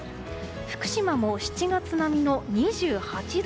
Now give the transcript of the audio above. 福島も７月並みの２８度。